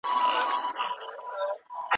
دوستان او وطنوال دي جهاني خدای په امان که